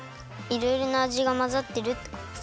いろいろなあじがまざってるってこと？